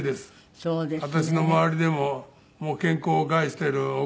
そうですよね。